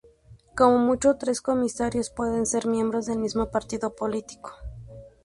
Como mucho tres comisarios pueden ser miembros del mismo partido político.